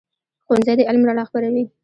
ښوونځی د علم رڼا خپروي.